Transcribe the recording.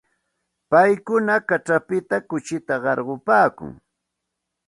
Paykuna kaćhapita kuchita qarqupaakun.